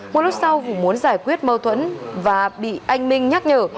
một lúc sau vũ muốn giải quyết mâu thuẫn và bị anh minh nhắc nhở